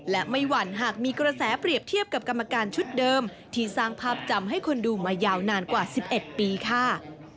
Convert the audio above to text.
และไม่หวั่นหากมีกระแสเปรียบเทียบกับกรรมการชุดเดิมที่สร้างภาพจำให้คนดูมายาวนานกว่า๑๑ปีค่ะ